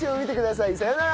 さようなら。